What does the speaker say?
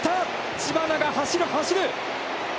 知花が走る走る！